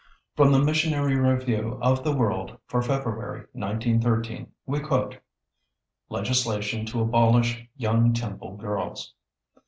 From the Missionary Review of the World for February, 1913, we quote: [Sidenote: Legislation to abolish young temple girls.